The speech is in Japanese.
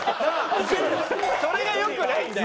それが良くないんだよ。